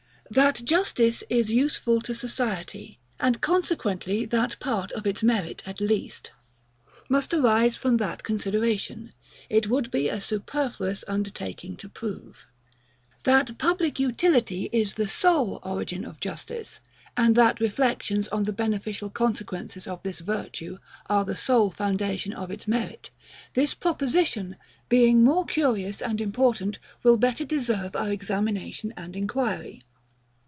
THAT Justice is useful to society, and consequently that PART of its merit, at least, must arise from that consideration, it would be a superfluous undertaking to prove. That public utility is the SOLE origin of justice, and that reflections on the beneficial consequences of this virtue are the SOLE foundation of its merit; this proposition, being more curious and important, will better deserve our examination and enquiry.